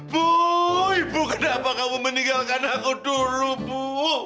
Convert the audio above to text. bu ibu kenapa kamu meninggalkan aku dulu bu